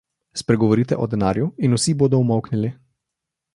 Spregovorite o denarju in vsi bodo umolknili.